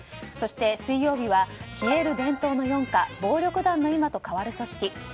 そして水曜日は消える伝統の四課暴力団の今と変わる組織。